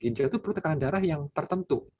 ginjal itu perlu tekanan darah yang tertentu